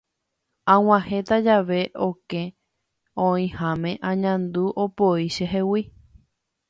Ag̃uahẽta jave okẽ oĩháme añandu opoi chehegui.